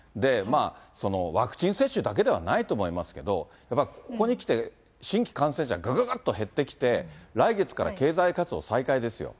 そのワクチン接種だけではないと思いますけど、やっぱりここにきて、新規感染者ぐぐーっと減ってきて、来月から経済活動再開ですよ。